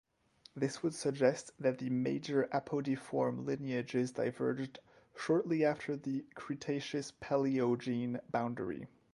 This would suggest that the major apodiform lineages diverged shortly after the Cretaceous-Paleogene boundary.